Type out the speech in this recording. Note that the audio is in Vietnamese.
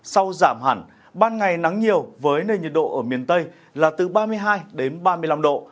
sau giảm hẳn ban ngày nắng nhiều với nền nhiệt độ ở miền tây là từ ba mươi hai đến ba mươi năm độ